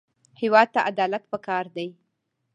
هېواد ته عدالت پکار دی